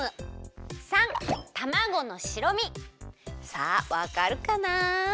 さあわかるかな？